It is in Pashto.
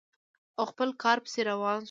او خپل کار پسې روان شو.